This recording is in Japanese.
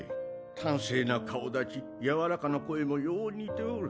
端正な顔だち柔らかな声もよう似ておる。